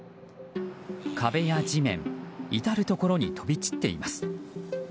壁や地面、至るところに飛び散っています。